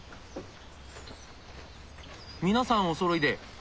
皆さんおそろいで。